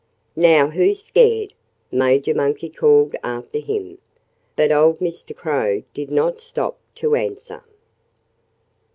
"Now who's scared?" Major Monkey called after him. But old Mr. Crow did not stop to answer.